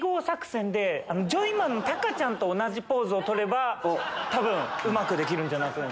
ジョイマンの高ちゃんと同じポーズを取ればうまくできるんじゃないかと。